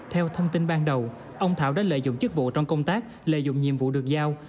theo thông tin ban đầu ông thảo đã lợi dụng chức vụ trong công tác lợi dụng nhiệm vụ được giao